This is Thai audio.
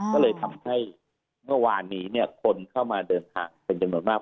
ก็เลยทำให้เมื่อวานนี้คนเข้ามาเดินทางเป็นจำนวนมาก